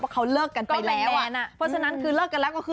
เพราะฉะนั้นเลิกกันแล้ว